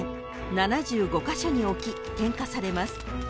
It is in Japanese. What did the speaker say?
７５カ所に置き点火されます］